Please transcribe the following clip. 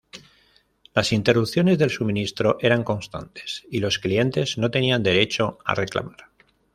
Las interrupciones del suministro eran constantes y los clientes no tenían derecho a reclamar.